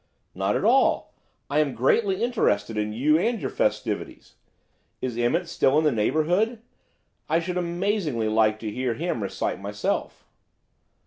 "Not at all. I am greatly interested in you and your festivities. Is Emmett still in the neighbourhood? I should amazingly like to hear him recite myself."